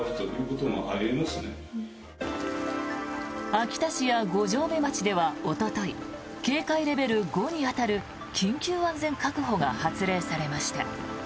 秋田市や五城目町ではおととい警戒レベル５に当たる緊急安全確保が発令されました。